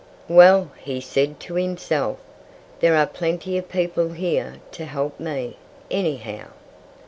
"Well!" he said to himself, "there are plenty of people here to help me, anyhow."